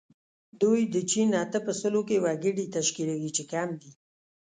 دوی د چین اته په سلو کې وګړي تشکیلوي چې کم دي.